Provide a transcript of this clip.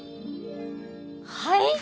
はい？